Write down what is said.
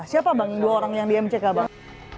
siapa bang dua orang yang di mck bang